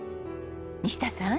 西田さん。